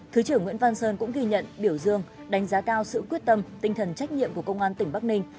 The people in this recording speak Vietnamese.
thứ trưởng nguyễn văn sơn cũng ghi nhận biểu dương đánh giá cao sự quyết tâm tinh thần trách nhiệm của công an tỉnh bắc ninh